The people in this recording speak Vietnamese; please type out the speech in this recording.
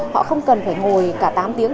họ không cần phải ngồi cả tám tiếng